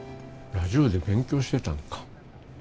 ラジオで勉強してたんか。